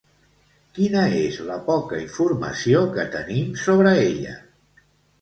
Quina és la poca informació que tenim sobre ella?